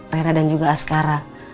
rena dan juga raskara